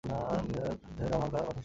দেহের রং হালকা লাল বা ধূসর বর্ণের।